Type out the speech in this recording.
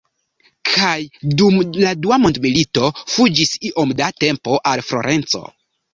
Kaj dum la Dua Mondmilito fuĝis iom da tempo al Florenco.